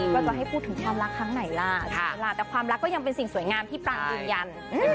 ก็จะให้พูดถึงความรักครั้งไหนล่ะใช่ไหมล่ะแต่ความรักก็ยังเป็นสิ่งสวยงามที่ปรางยืนยัน